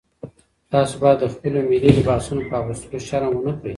تاسي باید د خپلو ملي لباسونو په اغوستلو شرم ونه کړئ.